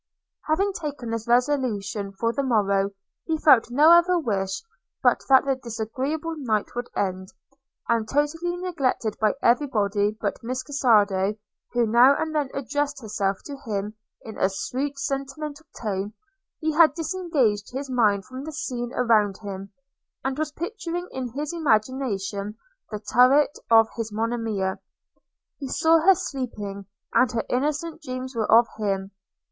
Having taken this resolution for the morrow, he felt no other wish but that the disagreeable night would end; and totally neglected by every body but Miss Cassado, who now and then addressed herself to him in a sweet sentimental tone, he had disengaged his mind from the scene around him, and was picturing in his imagination the turret of his Monimia. He saw her sleeping; and her innocent dreams were of him!